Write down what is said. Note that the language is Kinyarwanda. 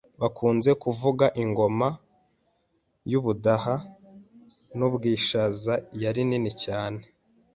Bakunze kuvuga ingoma y'u Budaha n'u Bwishaza yari nini cyane,